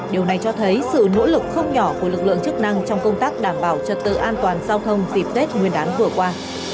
điều này cho thấy sự nỗ lực không nhỏ của lực lượng chức năng trong công tác đảm bảo trật tự an toàn giao thông dịp tết nguyên đán vừa qua